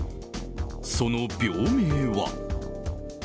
その病名は。